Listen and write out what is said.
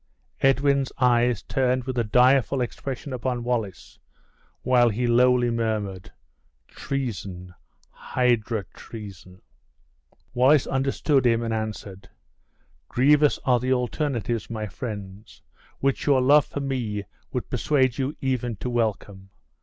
Edwin's eyes turned with a direful expression upon Wallace, while he lowly murmured: "Treason! hydra treason!" Wallace understood him, and answered: "Grievous are the alternatives, my friends, which your love for me would persuade you even to welcome.